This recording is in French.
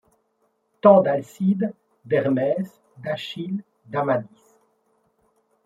Temps d’Alcide, d’Hermès, d’Achille, d’Amadis